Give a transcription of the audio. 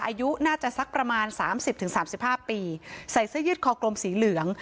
อายุน่าจะสักประมาณสามสิบถึงสามสิบห้าปีใส่เสื้อยืดคอกลมสีเหลือง